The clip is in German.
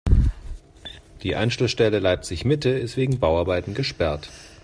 Die Anschlussstelle Leipzig-Mitte ist wegen Bauarbeiten gesperrt.